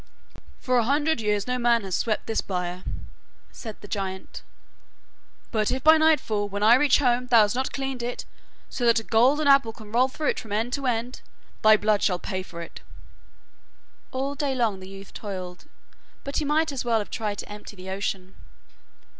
'For a hundred years no man has swept this byre,' said the giant, 'but if by nightfall, when I reach home, thou has not cleaned it so that a golden apple can roll through it from end to end, thy blood shall pay for it.' All day long the youth toiled, but he might as well have tried to empty the ocean.